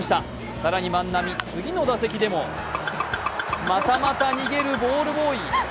更に万波、次の打席でも、またまた逃げるボールボーイ。